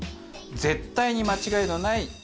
絶対に間違いのない一品。